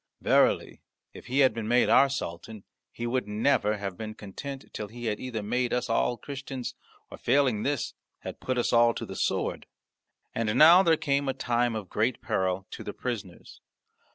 Verily if he had been made our sultan he would never have been content till he had either made us all Christians, or, failing this, had put us all to the sword." And now there came a time of great peril to the prisoners.